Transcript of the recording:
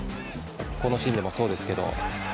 このシーンもそうですけど。